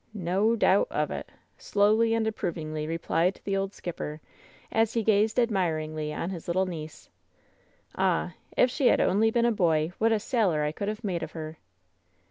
No — doubt — of — it," slowly and approvingly replied the old skipper, as he gazed ad miringly on his little niece. "Ah I if she had only been a boy, what a sailor I could have made of her!"